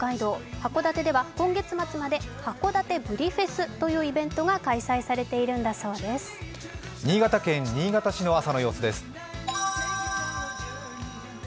函館では、今月末まで函館ブリフェスというイベントが開催されているんだそうです。